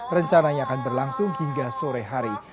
rencana yang akan berlangsung hingga sore hari